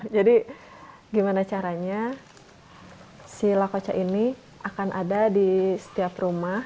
jadi gimana caranya si lakocha ini akan ada di setiap rumah